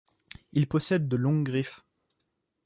Ils possèdent de longues griffes.